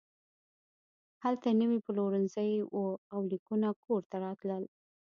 هلته نوي پلورنځي وو او لیکونه کور ته راتلل